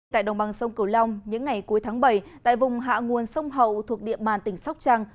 tại đồng bằng sông cửu long những ngày cuối tháng bảy tại vùng hạ nguồn sông hậu thuộc địa bàn tỉnh sóc trăng